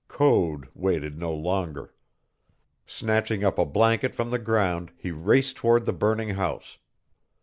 Code waited no longer. Snatching up a blanket from the ground, he raced toward the burning house.